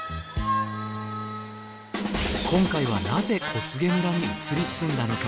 今回はなぜ小菅村に移り住んだのか？